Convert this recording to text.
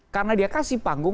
karena dia kasih panggung